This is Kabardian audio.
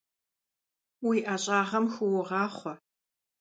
Уи ӀэщӀагъэм хыугъахъуэ!